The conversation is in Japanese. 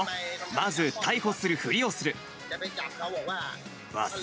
まず逮捕するふりをする。